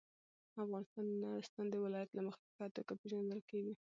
افغانستان د نورستان د ولایت له مخې په ښه توګه پېژندل کېږي.